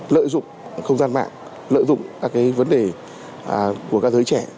lợi dụng không gian mạng lợi dụng các vấn đề của các giới trẻ